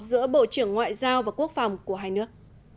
giữa bộ trưởng ngoại giao và quốc phòng của hai nước